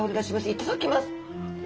いただきます。